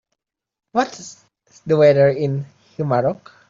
What's the weather in Humarock?